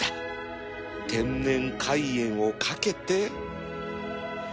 天然海塩をかけて